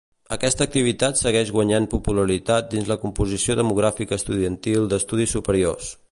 Aquesta activitat segueix guanyant popularitat dins la composició demogràfica estudiantil d'estudis superiors.